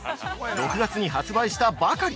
◆６月に発売したばかり！